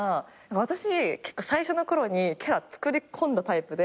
私結構最初のころにキャラつくり込んだタイプで。